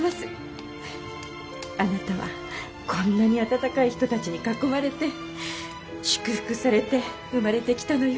「あなたはこんなに温かい人たちに囲まれて祝福されて生まれてきたのよ」